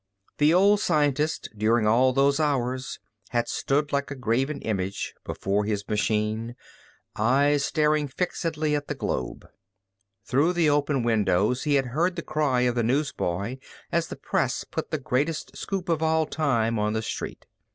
The old scientist, during all those hours, had stood like a graven image before his machine, eyes staring fixedly at the globe. Through the open windows he had heard the cry of the newsboy as the Press put the greatest scoop of all time on the street.